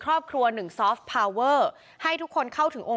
คุณวราวุฒิศิลปะอาชาหัวหน้าภักดิ์ชาติไทยพัฒนา